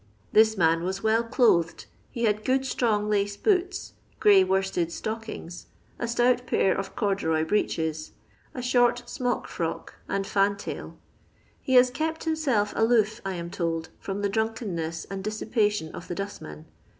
This man was well clothed, he had good strong lace boots, gray worsted stockings, a stout pair of corduroy breeches, a short smockfrock and iantaiL He has kept himself aloof, I am told, from the dmnkenneat and dissipation of the dustmen.